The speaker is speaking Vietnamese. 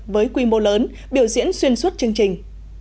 với quy mô lớn biểu diễn xuyên suốt chương trình